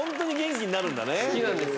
好きなんです。